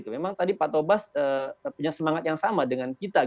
memang tadi pak tobas punya semangat yang sama dengan kita